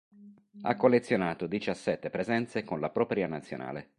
Ha collezionato diciassette presenze con la propria nazionale.